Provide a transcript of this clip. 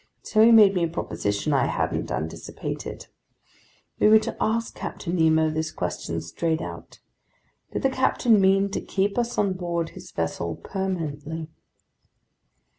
So he made me a proposition I hadn't anticipated. We were to ask Captain Nemo this question straight out: did the captain mean to keep us on board his vessel permanently?